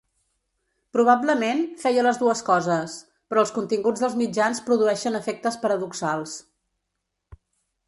Probablement, feia les dues coses; però els continguts dels mitjans produeixen efectes paradoxals.